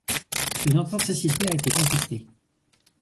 Son authenticité a été contestée.